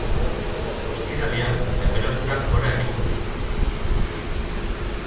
Ostiralean tenperaturak gora egingo du.